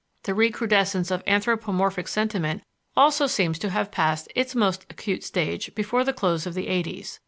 The recrudescence of anthropomorphic sentiment also seems to have passed its most acute stage before the close of the eighties.